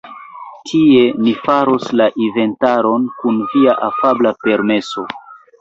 Tie, ni faros la inventaron, kun via afabla permeso.